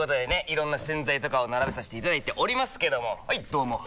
いろんな洗剤とかを並べさせていただいておりますけどもはいどうも！